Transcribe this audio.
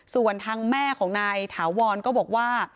ส่วนทางแม่ของนายถาวรก็บอกว่า